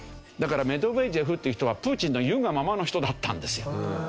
だからメドベージェフっていう人はプーチンの言うがままの人だったんですよ。